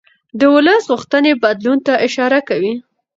د ولس غوښتنې بدلون ته اشاره کوي